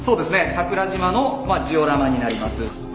桜島のジオラマになります。